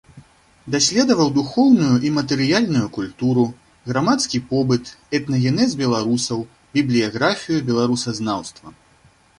Даследаваў духоўную і матэрыяльную культуру, грамадскі побыт, этнагенез беларусаў, бібліяграфію беларусазнаўства.